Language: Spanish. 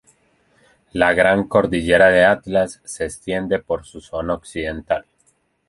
La gran cordillera del Atlas se extiende por su zona occidental.